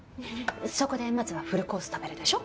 そこでまずはフルコース食べるでしょ？